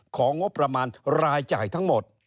ของงบประมาณรายจ่ายทั้งหมด